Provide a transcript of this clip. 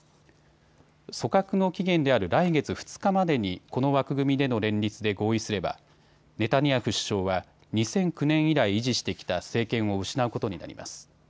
組閣の期限である来月２日までにこの枠組みでの連立で合意すればネタニヤフ首相は２００９年以来維持してきた政権を失うことになります。